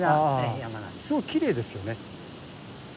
すごくきれいですよね。